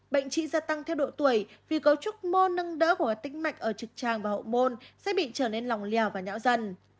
bệnh trí gia tăng theo độ tuổi vì cấu trúc mô nâng đỡ của các tích mạch ở trực tràng và hậu môn sẽ bị trở nên lỏng lẻo và nhão dần